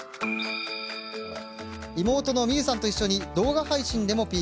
妹の実夢さんと一緒に動画配信でもＰＲ。